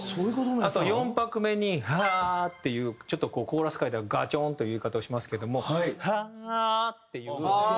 あと４拍目に「Ｈａ」っていうちょっとコーラス界ではガチョーンという言い方をしますけれども「Ｈａａｈ」っていう。